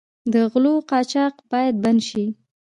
د غلو قاچاق باید بند شي.